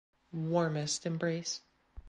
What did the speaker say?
Warmest embrace.